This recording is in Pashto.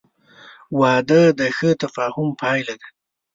• واده د ښه تفاهم پایله ده.